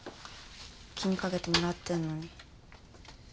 気に掛けてもらってんのに。